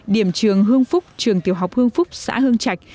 điểm trường hương phúc trường tiểu học hương phúc xã hương trạch